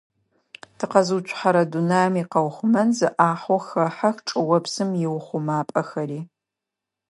Тыкъэзыуцухьэрэ дунаим икъэухъумэн зы ӏахьэу хэхьэх чӏыопсым иухъумапӏэхэри.